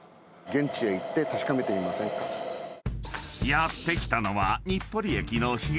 ［やって来たのは］